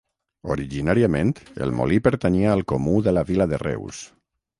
Originàriament el molí pertanyia al comú de la Vila de Reus.